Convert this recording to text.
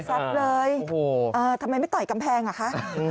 เลยทำไมไม่ต่อยกำแพงอ่ะคะ